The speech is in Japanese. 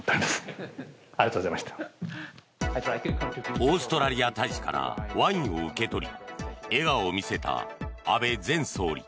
オーストラリア大使からワインを受け取り笑顔を見せた安倍前総理。